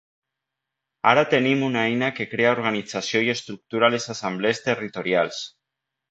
Ara tenim una eina que crea organització i estructura les assemblees territorials.